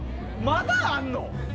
まだあんの？